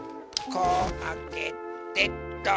こうあけてと。